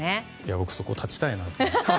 僕、そこに立ちたいなと。